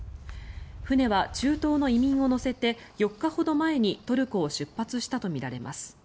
船は中東の移民を乗せて４日ほど前にトルコを出発したとみられます。